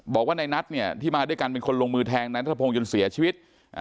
บอกว่าในนัทเนี่ยที่มาด้วยกันเป็นคนลงมือแทงนายนัทพงศ์จนเสียชีวิต